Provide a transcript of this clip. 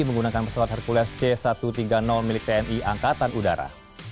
menggunakan pesawat hercules c satu ratus tiga puluh milik tni angkatan udara